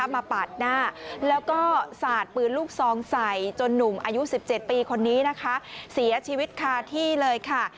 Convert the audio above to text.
ปาดหน้าแล้วก็สาดปืนลูกซองใส่จนหนุ่มอายุ๑๗ปีคนนี้นะคะเสียชีวิตคาที่เลยค่ะ